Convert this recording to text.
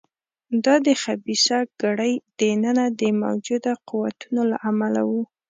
دا د خبیثه کړۍ دننه د موجوده قوتونو له امله و.